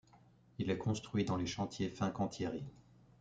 Il est construit dans les chantiers Fincantieri.